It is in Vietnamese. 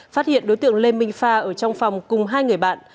phát hiện đối tượng lê minh phà ở trong phòng cùng hai người bạn